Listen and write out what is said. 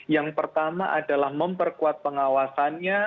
yang pertama adalah memperkuat pengawasannya